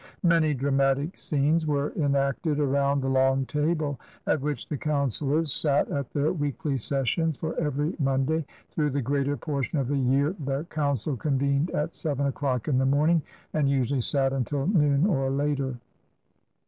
Many dramatic scenes were enacted around the long table at which the council ors sat at their weekly sessions, for every Monday through the greater portion of the year the G>un cil convened at seven o'clock in the mommg and usually sat until noon or later.